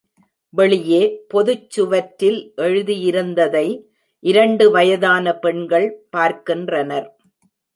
வெளியே பொதுச் சுவற்றில் எழுதியிருந்ததை இரண்டு வயதான பெண்கள் பார்க்கின்றனர்.